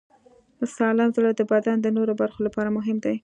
سالم زړه د بدن د نورو برخو لپاره مهم دی.